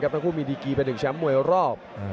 ที่เป็นคู่มีดีกีเป็นถึงแชมป์มวยรอบ